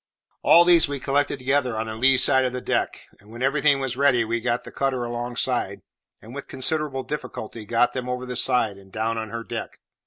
All these we collected together on the lee side of the deck; and when everything was ready, we got the cutter alongside, and, with considerable difficulty, got them over the side and down on her deck.